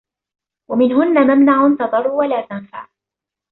وَمِنْهُنَّ مَمْنَعٌ تَضُرُّ وَلَا تَنْفَعُ